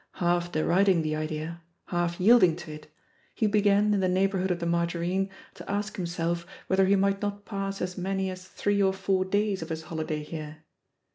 Half de riding the idea, half yielding to it, he began in the neighbourhood of the margarine to ask him 168 THE POSITION OF PEGGY HARPER self whether he might not pass as many as three or four days of his holiday here.